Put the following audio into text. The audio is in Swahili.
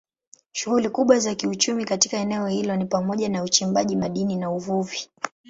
Shughuli kubwa za kiuchumi katika eneo hilo ni pamoja na uchimbaji madini na uvuvi.